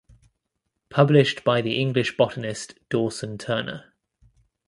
Published by the English botanist Dawson Turner.